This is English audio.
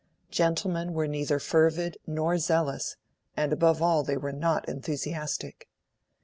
Gentlemen were neither fervid nor zealous, and above all they were not enthusiastic.